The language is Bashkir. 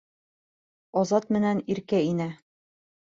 Азат менән Иркә инә.